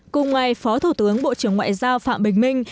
cùng ngày phó thủ tướng bộ trưởng ngoại giao phạm bình minh